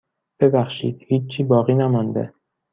ببخشید هیچی باقی نمانده.